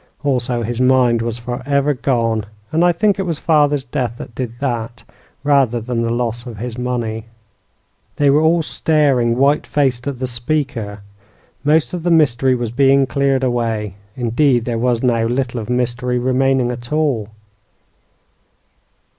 Also, his mind was forever gone; and I think it was father's death that did that, rather than the loss of his money." They were all staring, white faced, at the speaker. Most of the mystery was being cleared away; indeed, there was now little of mystery remaining at all.